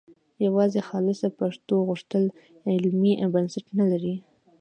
یوازې خالصه پښتو غوښتل علمي بنسټ نه لري